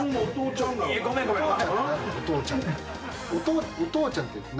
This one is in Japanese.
お父ちゃんって。